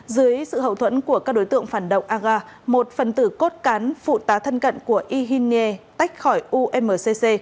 dưới sự hậu thuẫn của các đối tượng phản động aga một phần tử cốt cán phụ tá thân cận của ihinie tách khỏi umcc